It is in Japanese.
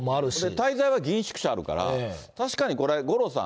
滞在は議員宿舎あるから、確かにこれ、五郎さん。